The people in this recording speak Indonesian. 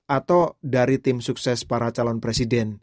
atau dari tim sukses para calon presiden